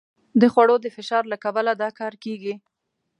د خوړو د فشار له کبله دا کار کېږي.